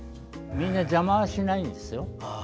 みんな邪魔はしないんですよ。